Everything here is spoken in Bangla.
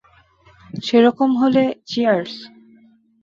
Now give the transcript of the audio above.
সেরকম হলে, চিয়ার্স।